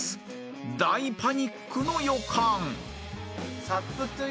［大パニックの予感］